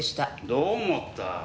どう思った？